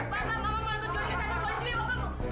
papa mau hidup